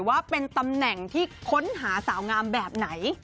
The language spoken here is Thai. ว่าเป็นตำแหน่งที่ค้นหาสาวงามแบบไหน